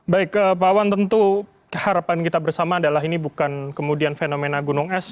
baik pak wawan tentu harapan kita bersama adalah ini bukan kemudian fenomena gunung es